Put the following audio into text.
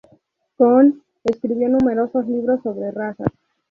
Coon escribió numerosos libros sobre razas.